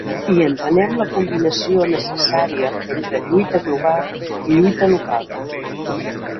I entenem la combinació necessària entre lluita global i lluita local.